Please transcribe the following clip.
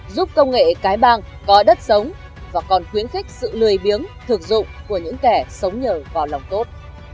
giúp công nghệ cái bang có đất sống và còn khuyến khích sự lười biếng thực dụng của những kẻ sống nhờ vào lòng tốt